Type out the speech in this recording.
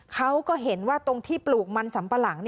เขาก็เห็นว่าตรงที่ปลูกมันสำปะหลัง